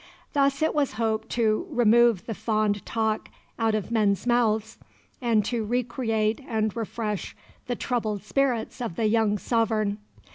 Thus it was hoped to "remove the fond talk out of men's mouths," and to recreate and refresh the troubled spirits of the young sovereign.